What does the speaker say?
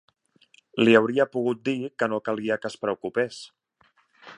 Li hauria pogut dir que no calia que es preocupés